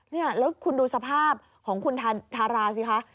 นี่แล้วคุณดูสภาพของคุณทาราสิคะ